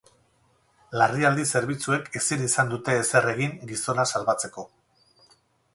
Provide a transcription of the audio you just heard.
Larrialdi zerbitzuek ezin izan dute ezer egin gizona salbatzeko.